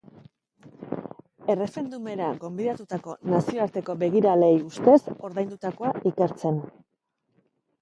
Erreferendumera gonbidatutako nazioarteko begiraleei ustez ordaindutakoa ikertzen dabilen epaileak eman du miatzeko agindua.